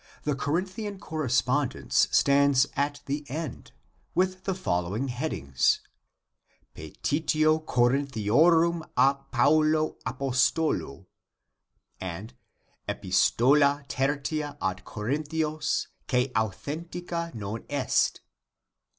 the Corinthian corre spondence stands at the end with the following headings :" Petitio Corinthiorum a Paulo apostolo " and " Epistola tertia ad Corinthios quae authentica non est."